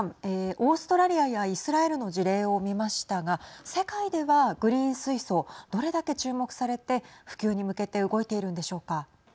オーストラリアやイスラエルの事例を見ましたが世界ではグリーン水素どれだけ注目されて普及に向けて動いているんでしょうか。